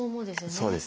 そうです。